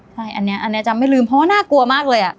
ใช่อันเนี้ยอันเนี้ยจะไม่ลืมเพราะว่าน่ากลัวมากเลยอ่ะ